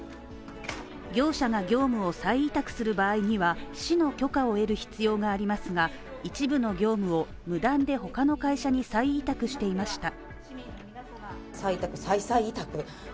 業者が業務を再委託する場合には市の許可を得る必要がありますが、一部の業務を無断でほかの会社に再委託していました。